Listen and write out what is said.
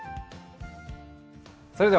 それでは。